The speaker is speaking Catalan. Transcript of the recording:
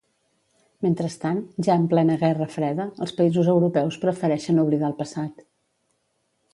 Mentrestant, ja en plena guerra freda, els països europeus prefereixen oblidar el passat.